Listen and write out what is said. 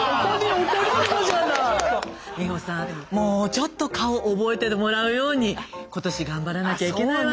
もうちょっと顔覚えてもらうように今年頑張らなきゃいけないわね。